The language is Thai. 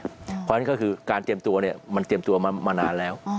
เพราะฉะนั้นก็คือการเตรียมตัวเนี่ยมันเตรียมตัวมานานแล้ว